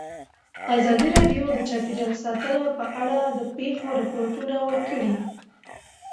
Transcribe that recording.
ازادي راډیو د چاپیریال ساتنه په اړه د پېښو رپوټونه ورکړي.